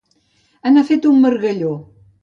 Anar fet un margalló.